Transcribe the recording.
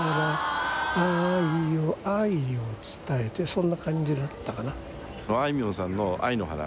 そんな感じだったかな？